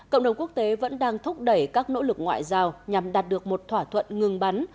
cộng đồng quốc tế vẫn đang thúc đẩy các nỗ lực ngoại giao nhằm đạt được một thỏa thuận ngừng bắn